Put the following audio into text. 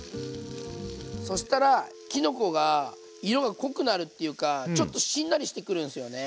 そしたらきのこが色が濃くなるっていうかちょっとしんなりしてくるんですよね。